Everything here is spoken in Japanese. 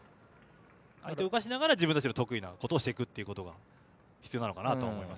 相手を動かしながら自分たちの得意なことをすることが必要なのかなと思います。